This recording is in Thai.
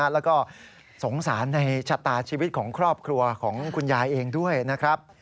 แล้วก็สงสารในชะตาชีวิตของครอบครัวของคุณยายเองด้วยนะครับ